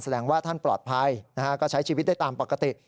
ว่าท่านปลอดภัยก็ใช้ชีวิตได้ตามปกติ